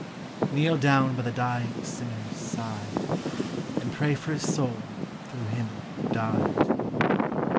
Kneel down by the dying sinner's side, And pray for his soul through Him who died.